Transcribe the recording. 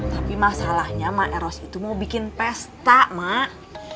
tapi masalahnya emak eros itu mau bikin pesta emak